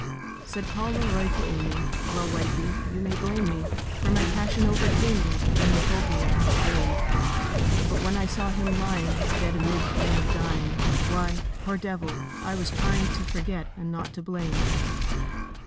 Said Paul Leroy to Amy, 'Well, wifie, you may blame me, For my passion overcame me, When he told me of his shame; But when I saw him lying, Dead amid a ring of dying, Why, poor devil, I was trying To forget, and not to blame.